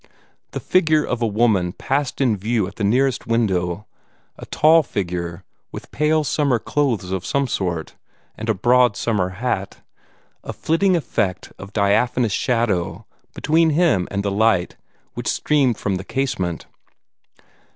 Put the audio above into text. The figure of a woman passed in view at the nearest window a tall figure with pale summer clothes of some sort, and a broad summer hat a flitting effect of diaphanous shadow between him and the light which streamed from the casement.